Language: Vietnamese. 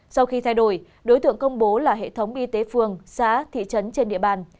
sau khi thay đổi đối tượng công bố là hệ thống y tế phường xã thị trấn trên địa bàn